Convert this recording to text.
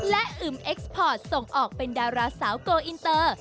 และอึมเอ็กซ์พอร์ตส่งออกเป็นดาราสาวโกอินเตอร์